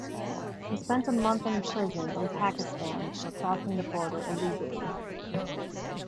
He spent a month in prison in Pakistan for crossing the border illegally.